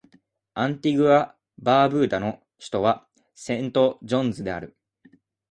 アンティグア・バーブーダの首都はセントジョンズである